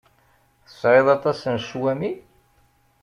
Tesɛiḍ aṭas n ccwami?